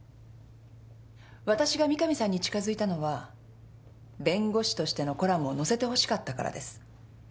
わたしが三神さんに近づいたのは弁護士としてのコラムを載せてほしかったからです。